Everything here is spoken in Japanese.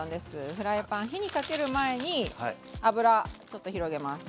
フライパン火にかける前に油ちょっと広げます。